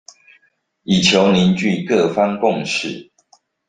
以求凝聚各方共識